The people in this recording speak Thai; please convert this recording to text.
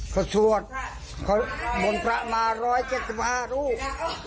เขาสวดมนตระมา๑๗๕ลูก